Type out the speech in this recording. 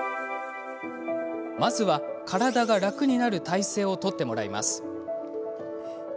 まずは、体が楽になる体勢を取ってもらいます。